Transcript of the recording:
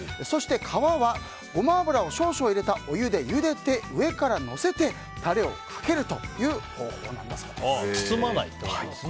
皮はゴマ油を少々入れてお湯でゆでて上からのせて、タレをかけるという方法なんだそうです。